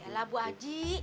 yelah bu haji